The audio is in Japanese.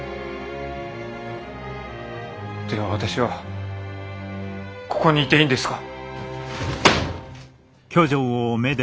では私はここにいていいんですか？